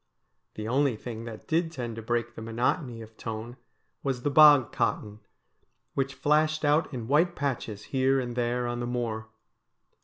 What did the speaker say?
The only thing that did tend to break the monotony of tone was the bog cotton, which flashed out in white patches here and there on the moor.